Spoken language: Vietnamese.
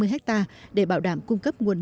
năm mươi hectare để bảo đảm cung cấp nguồn